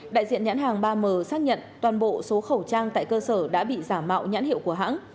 đại diện nhãn hàng ba m xác nhận toàn bộ số khẩu trang tại cơ sở đã bị giả mạo nhãn hiệu của hãng